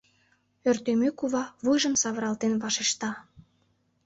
— Ӧртӧмӧ кува вуйжым савыралтен вашешта.